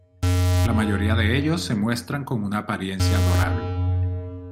La mayoría de ellos se muestran con una apariencia adorable.